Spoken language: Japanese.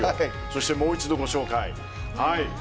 そしてもう一度ご紹介。